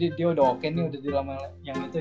oh dia udah oke nih udah di lamanya yang itu ya